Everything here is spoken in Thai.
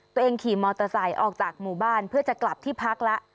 ขี่มอเตอร์ไซค์ออกจากหมู่บ้านเพื่อจะกลับที่พักแล้ว